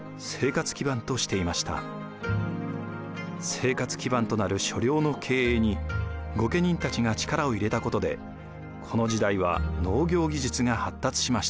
生活基盤となる所領の経営に御家人たちが力を入れたことでこの時代は農業技術が発達しました。